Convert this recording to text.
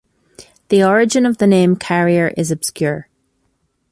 The origin of the name "Carrier" is obscure.